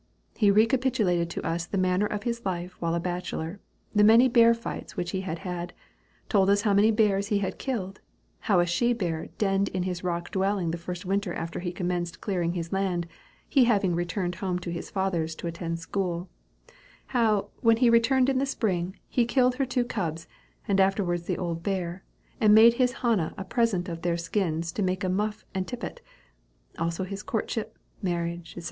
He recapitulated to us the manner of his life while a bachelor; the many bear fights which he had had; told us how many bears he had killed; how a she bear denned in his rock dwelling the first winter after he commenced clearing his land he having returned home to his father's to attend school; how, when he returned in the spring, he killed her two cubs, and afterwards the old bear, and made his Hannah a present of their skins to make a muff and tippet; also his courtship, marriage, &c.